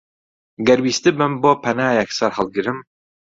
گەر ویستبم بۆ پەنایەک سەرهەڵگرم،